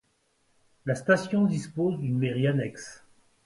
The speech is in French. La station dispose d'une Mairie annexe.